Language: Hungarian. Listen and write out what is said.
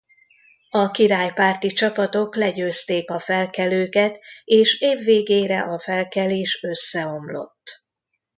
A királypárti csapatok legyőzték a felkelőket és év végére a felkelés összeomlott.